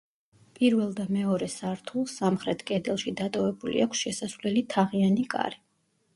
პირველ და მეორე სართულს სამხრეთ კედელში დატოვებული აქვს შესასვლელი თაღიანი კარი.